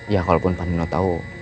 ya kalaupun pak nino tahu